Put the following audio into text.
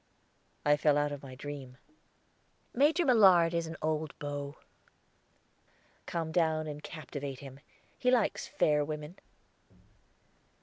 I fell out of my dream. "Major Millard is an old beau. Come down and captivate him. He likes fair women."